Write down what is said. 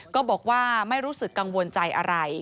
ก็บอกว่าไม่รู้สึกกังวลใจอะไร